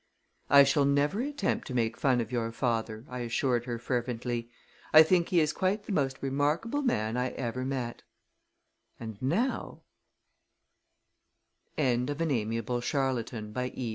"I shall never attempt to make fun of your father," I assured her fervently. "I think he is quite the most remarkable man I ever met! And now " End of Project Gutenberg's An Amiable Charlatan, by E.